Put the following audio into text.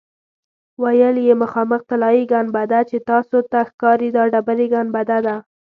ویل یې مخامخ طلایي ګنبده چې تاسو ته ښکاري دا ډبرې ګنبده ده.